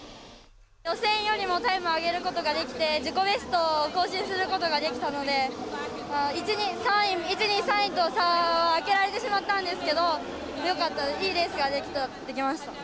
予選よりもタイムを上げることができて自己ベストを更新することができたので１、２、３位と差は開けられてしまったんですけどいいレースができました。